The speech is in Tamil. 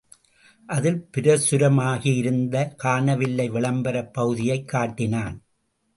அதில் பிரசுரமாகியிருந்த ′காணவில்லை விளம்பரப் பகுதியைக் காட்டினான்.